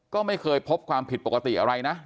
ก็ไม่เคยพบความผิดปกติอะไรนะ